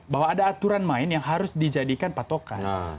bahwa ada aturan main yang harus dijadikan patokan